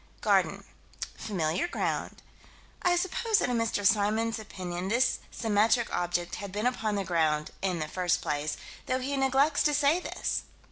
Garden familiar ground I suppose that in Mr. Symons' opinion this symmetric object had been upon the ground "in the first place," though he neglects to say this.